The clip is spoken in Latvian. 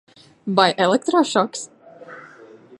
Vai elektrošoks?